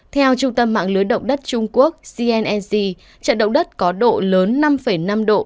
theo trung tâm mạng lưới động đất trung quốc cnc trận động đất có độ lớn năm năm độ